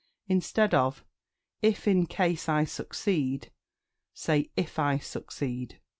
Instead of "If in case I succeed," say "If I succeed."